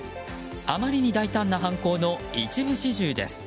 あまりに大胆な犯行の一部始終です。